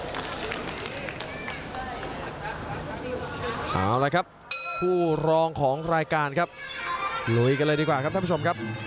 เอาละครับคู่รองของรายการครับลุยกันเลยดีกว่าครับท่านผู้ชมครับ